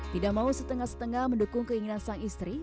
tidak mau setengah setengah mendukung keinginan sang istri